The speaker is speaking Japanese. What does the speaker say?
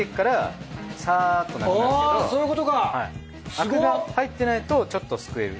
あくが入ってないとちょっとすくえる。